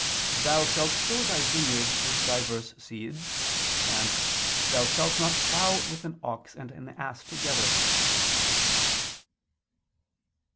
"Thou shalt sow thy vineyard with divers seeds"; and: "Thou shalt not plough with an ox and an ass together."